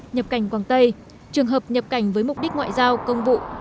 nhập cảnh quảng tây trường hợp nhập cảnh với mục đích ngoại giao công vụ